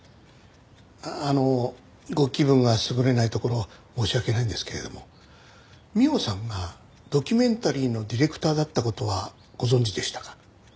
あのご気分が優れないところ申し訳ないんですけれども美緒さんがドキュメンタリーのディレクターだった事はご存じでしたか？